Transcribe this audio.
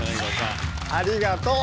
ありがとう！